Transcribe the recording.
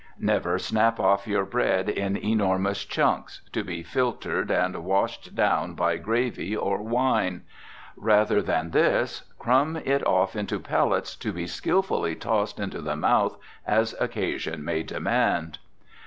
Never snap off your bread in enormous chunks, to be filtered and washed down by gravy or wine. Rather than this, crumb it off into pellets, to be skillfully tossed into the mouth as occasion may demand.